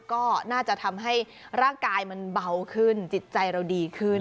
ก็น่าจะทำให้ร่างกายมันเบาขึ้นจิตใจเราดีขึ้น